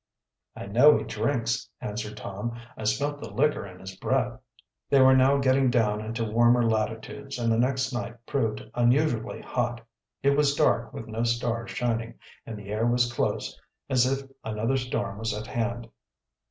"I know he drinks," answered Tom. "I smelt the liquor in his breath." They were now getting down into warmer latitudes and the next night proved unusually hot. It was dark with no stars shining, and the air was close, as if another storm was at hand.